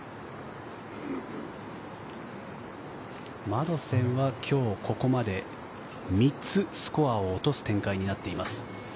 マドセンは今日ここまで３つスコアを落とす展開になっています。